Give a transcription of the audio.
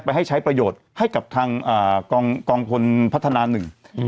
ไปให้ใช้ประโยชน์ให้กับทางอ่ากองกองคนพัฒนาหนึ่งอืม